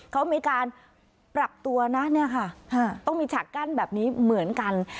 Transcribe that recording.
เขามีการปรับตัวนะเนี่ยค่ะต้องมีฉากกั้นแบบนี้เหมือนกัน